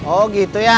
oh gitu ya